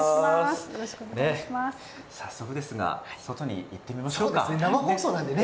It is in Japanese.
早速ですが外に行ってみましょう。